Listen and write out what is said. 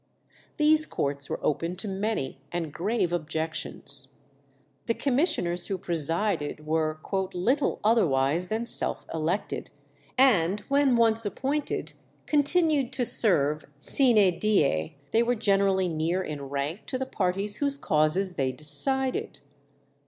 These courts were open to many and grave objections. The commissioners who presided were "little otherwise than self elected, and when once appointed continued to serve sine die;" they were generally near in rank to the parties whose causes they decided.